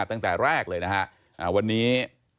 ตั้งแต่แรกเลยนะฮะวันนี้